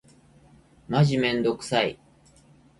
マジめんどくさい。